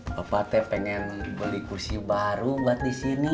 bapak teh pengen beli kursi baru buat disini